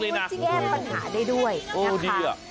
ก็แก้ปัญหาได้ด้วยนะคะ